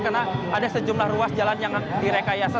karena ada sejumlah ruas jalan yang direkayasa